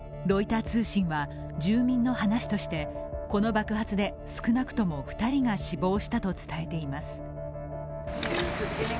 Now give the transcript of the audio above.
ロイター通信は住民の話としてこの爆発で少なくとも２人が死亡したと伝えています。